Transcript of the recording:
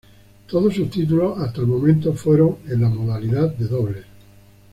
Todos sus títulos hasta el momento fueron en la modalidad de dobles.